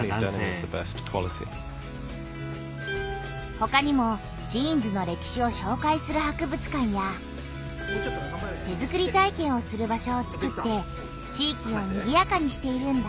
ほかにもジーンズの歴史をしょうかいする博物館や手作り体験をする場所をつくって地域をにぎやかにしているんだ。